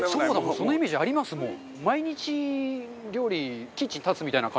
そのイメージありますもん。